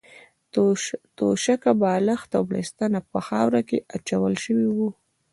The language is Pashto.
توشکه، بالښت او بړستنه په خاورو کې اچول شوې وې.